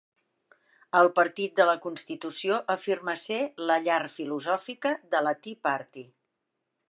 El partit de la Constitució afirma ser la "llar filosòfica" de la Tea Party.